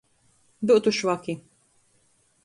Byutu švaki.